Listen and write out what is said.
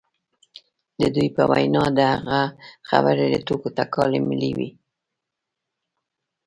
د دوی په وینا د هغه خبرې له ټوکو ټکالو ملې وې